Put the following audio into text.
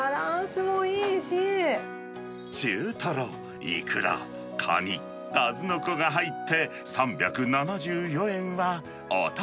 中トロ、イクラ、カニ、カズノコが入って３７４円はお得。